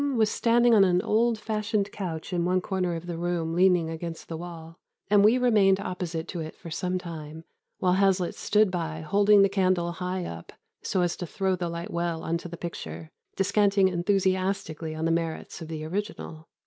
was standing on an old fashioned couch in one corner of the room leaning against the wall, and we remained opposite to it for some time, while Hazlitt stood by holding the candle high up so as to throw the light well on to the picture, descanting enthusiastically on the merits of the original.